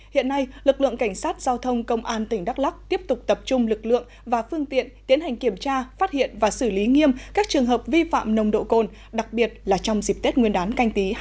hiện nay lực lượng cảnh sát giao thông công an tỉnh đắk lắc tiếp tục tập trung lực lượng và phương tiện tiến hành kiểm tra phát hiện và xử lý nghiêm các trường hợp vi phạm nồng độ cồn đặc biệt là trong dịp tết nguyên đán canh tí hai nghìn hai mươi